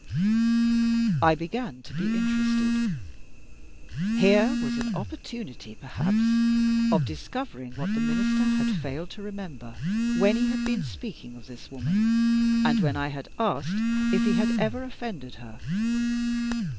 I began to be interested. Here was an opportunity, perhaps, of discovering what the Minister had failed to remember when he had been speaking of this woman, and when I had asked if he had ever offended her.